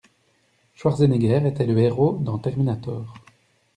Schwarzenegger était le héros dans Terminator.